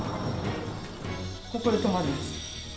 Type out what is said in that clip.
ここで止まるんです。